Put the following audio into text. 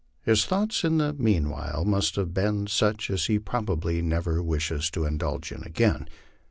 His thoughts in the meanwhile must have been such as he probably never wishes to indulge in again.